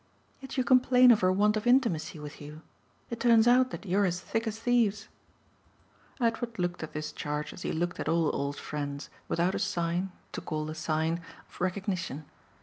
"Yet you complain of her want of intimacy with you! It turns out that you're as thick as thieves." Edward looked at this charge as he looked at all old friends, without a sign to call a sign of recognition.